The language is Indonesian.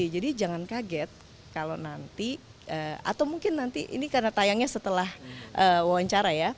jadi jangan kaget kalau nanti atau mungkin nanti ini karena tayangnya setelah wawancara ya